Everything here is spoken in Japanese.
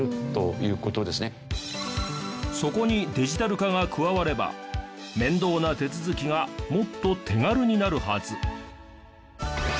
そこにデジタル化が加われば面倒な手続きがもっと手軽になるはず。